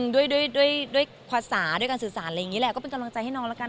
ด้วยด้วยภาษาด้วยการสื่อสารอะไรอย่างนี้แหละก็เป็นกำลังใจให้น้องแล้วกัน